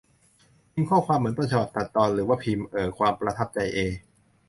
พิมพ์ข้อความเหมือนต้นฉบับ ตัดตอน หรือว่าพิมพ์ เอ่อ ความประทับใจ เอ